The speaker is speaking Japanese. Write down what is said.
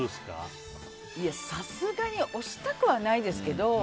いや、さすがに押したくはないですけど。